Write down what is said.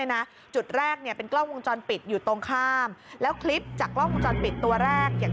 คุณผู้ชมเห็นค่ะ